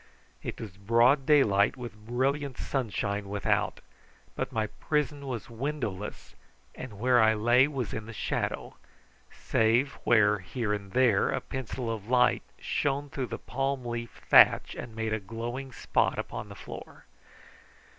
It was broad daylight with brilliant sunshine without, but my prison was windowless, and where I lay was in the shadow, save where here and there a pencil of light shone through the palm leaf thatch and made a glowing spot upon the floor.